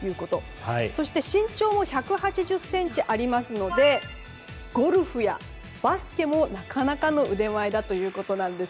そして、身長も１８０ｃｍあるのでゴルフ、バスケもなかなかの腕前ということです。